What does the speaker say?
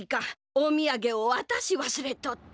おみやげをわたしわすれとった。